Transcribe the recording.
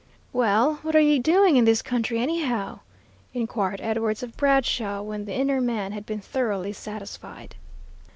"Well, what are you doing in this country anyhow?" inquired Edwards of Bradshaw, when the inner man had been thoroughly satisfied.